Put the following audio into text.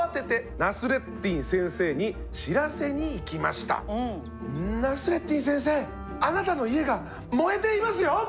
「ナスレッディン先生あなたの家が燃えていますよ！」。